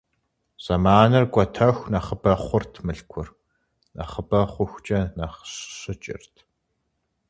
Зэманыр кӀуэтэху нэхъыбэ хъурт Мылъкур, нэхъыбэ хъухукӀэ нэхъ щыкӀырт.